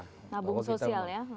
nabung sosial ya